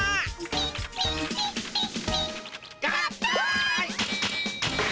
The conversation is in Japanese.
ピッピッピッピッ。